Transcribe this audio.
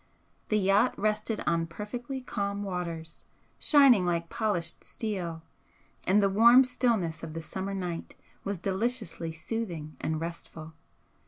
The yacht rested on perfectly calm waters, shining like polished steel, and the warm stillness of the summer night was deliciously soothing and restful.